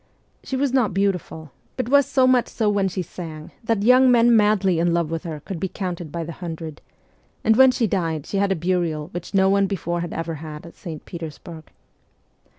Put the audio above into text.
She was not beauti ful, but was so much so when she sang that young men madly in love with her could be counted by the hundred ; and when she died she had a burial which no one before had ever had at St. Petersburg.